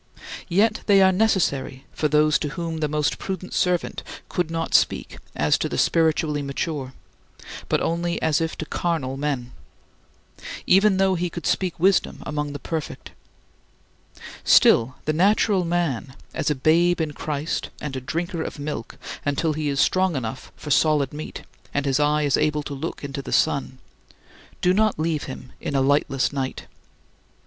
Yet they are necessary for those to whom thy most prudent servant could not speak as to the spiritually mature, but only as if to carnal men even though he could speak wisdom among the perfect. Still the natural man as a babe in Christ, and a drinker of milk, until he is strong enough for solid meat, and his eye is able to look into the sun do not leave him in a lightless night.